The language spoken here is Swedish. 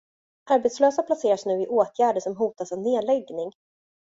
Arbetslösa placeras nu i åtgärder som hotas av nedläggning.